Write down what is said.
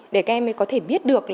để các em có thể biết được